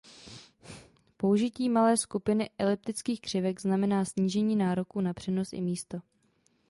Použití malé skupiny eliptických křivek znamená snížení nároků na přenos i místo.